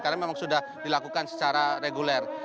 karena memang sudah dilakukan secara reguler